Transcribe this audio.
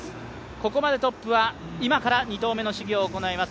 ここまでトップは今から２投目の試技を行います